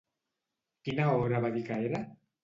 Quina hora va dir que era?